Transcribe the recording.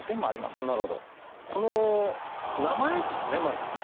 この名前ですねまず。